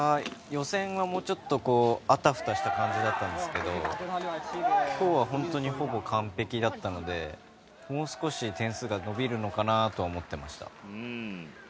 予選はもうちょっとあたふたした感じだったんですけど今日は本当にほぼ完璧だったのでもう少し点数が伸びるのかなとは思っていました。